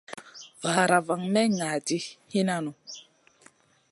Vaara van may ŋa ɗi hinan nu.